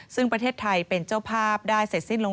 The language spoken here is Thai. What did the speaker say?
ซึ่งประเทศไทยเป็นเจ้าภาพได้เสร็จสิ้นลง